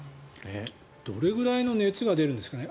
どれくらいの熱が出るんですかね。